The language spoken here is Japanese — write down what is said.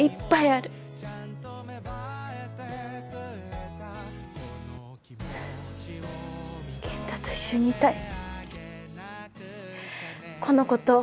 この子と健太と一緒にいたい。